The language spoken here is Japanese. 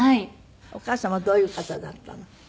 お母様どういう方だったの？